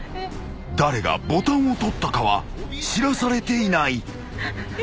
［誰がボタンを取ったかは知らされていない］